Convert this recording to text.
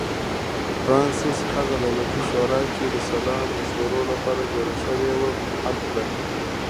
فرانسس هغه دولتي شورا چې د سلا مشورو لپاره جوړه شوې وه منحل کړه.